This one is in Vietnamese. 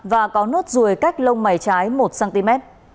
và có nốt ruồi cách lông mày trái một cm